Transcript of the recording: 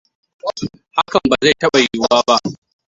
Hakan ba zai taba yuwu ba.